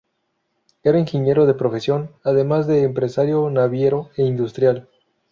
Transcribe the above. Era ingeniero de profesión, además de empresario naviero e industrial.